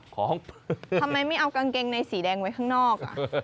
ทำไมไม่เอากางเกงในสีแดงไว้ข้างนอก